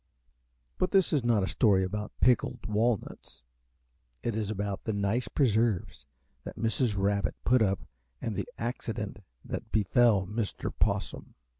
But this story is not about pickled walnuts; it is about the nice preserves that Mrs. Rabbit put up and the accident that befell Mr. Possum.